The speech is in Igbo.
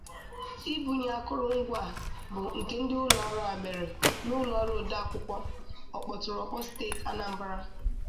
Ibunye akụrụngwa a bụ nke ndị ụlọọrụ a mere n'ụlọọrụ odeakwụkwọ ọkpụtọrọkpụ steeti Anambra